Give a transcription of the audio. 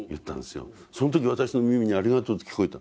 その時私の耳に「ありがとう」って聞こえた。